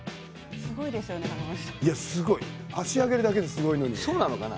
すごい、足を上げるだけですごい。